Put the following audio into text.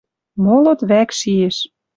молот вӓк шиэш